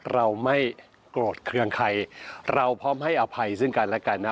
เราไม่โกรธเครื่องใครเราพร้อมให้อภัยซึ่งกันและกันนะ